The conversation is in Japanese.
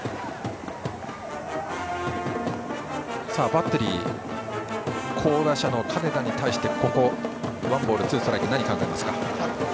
バッテリー好打者の金田に対してここワンボールツーストライク何を考えますか。